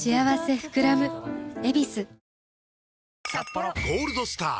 あれ「ゴールドスター」！